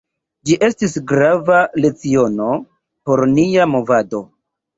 Ĝi estis grava leciono por nia movado.